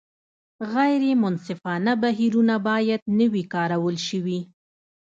غیر منصفانه بهیرونه باید نه وي کارول شوي.